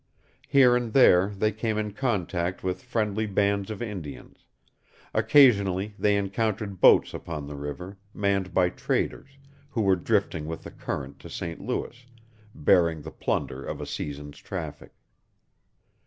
Here and there they came in contact with friendly bands of Indians; occasionally they encountered boats upon the river, manned by traders, who were drifting with the current to St. Louis, bearing the plunder of a season's traffic.